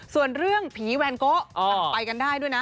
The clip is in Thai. ส่วนเรื่องผีแวนโกะไปกันได้ด้วยนะ